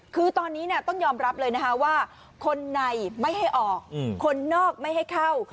คือตอนนี้ต้องยอมรับเลยนะคะว่าคนในไม่ให้ออกคนนอกไม่ให้เข้า